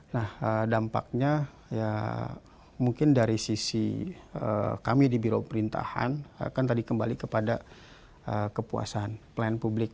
nah dampaknya ya mungkin dari sisi kami di biro perintahan kan tadi kembali kepada kepuasan pelayan publik